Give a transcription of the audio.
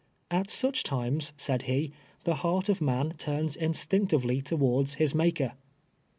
At such times, said he, the heart of man turns instinct ively towards his Maker.